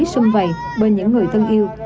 xung vầy bởi những người thân yêu